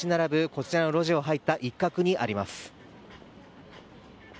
こちらの路地を入った一角にあります。